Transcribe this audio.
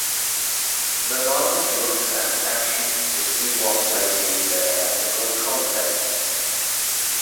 The mind looks at actions to see what may be their ethical content.